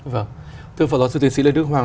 vâng thưa phó giáo sư tiến sĩ lê đức hoàng